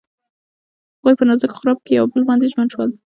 هغوی په نازک غروب کې پر بل باندې ژمن شول.